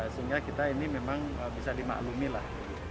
sehingga kita ini memang bisa dimaklumi lah